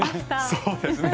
そうですね。